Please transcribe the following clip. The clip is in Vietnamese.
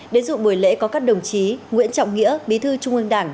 đến dự buổi lễ có các đồng chí nguyễn trọng nghĩa bí thư trung ương đảng